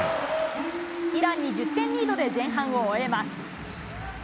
イランに１０点リードで前半を終えます。